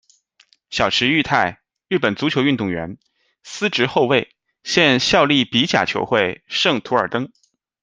小池裕太，日本足球运动员，司职后卫，现效力比甲球会圣图尔登。